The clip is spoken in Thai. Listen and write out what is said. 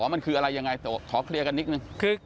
มันคืออะไรยังไงขอเคลียร์กันนิดนึง